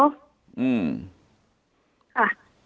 ค่ะ